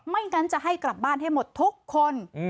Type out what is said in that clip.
งั้นจะให้กลับบ้านให้หมดทุกคน